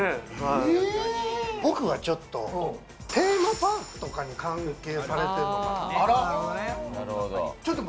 僕はちょっとテーマパークとかに関係されているのかなと。